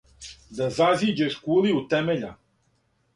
Да зазиђеш кули у темеља: